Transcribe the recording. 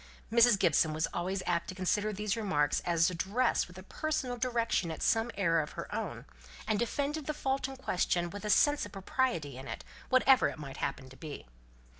Mrs. Gibson was always apt to consider these remarks as addressed with a personal direction at some error of her own, and defended the fault in question with a sense of property in it, whatever it might happen to be.